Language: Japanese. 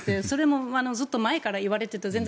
それも、ずっと前からいわれていた。